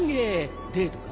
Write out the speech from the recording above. デートか？